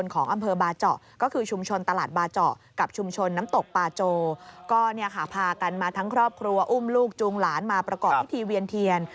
ก็พากันมาทั้งครอบครัวอุ้มลูกจูงหลานมาประกอบที่ทีเวียนเทียน